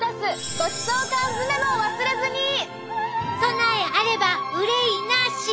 「備えあれば憂いなし」！